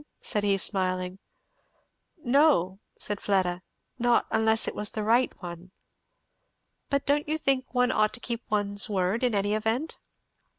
said he smiling. "No," said Fleda, "not unless it was the right one." "But don't you think one ought to keep one's word, in any event?"